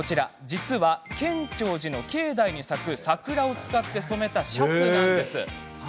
実は、建長寺の境内に咲く桜を使って染めたシャツなんです。